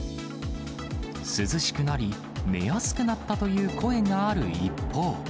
涼しくなり、寝やすくなったという声がある一方。